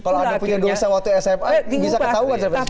kalau anda punya dosa waktu sma bisa ketahuan sampai sekarang